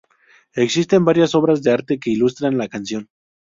Existen varias obras de arte que ilustran la canción.